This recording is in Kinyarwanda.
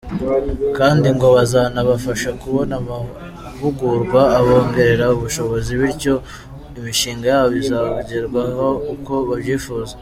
Kandi ngo bazanabafasha kubona amahugurwa abongerera ubushobozi, bityo imishinga yabo izagerweho uko babyifuza.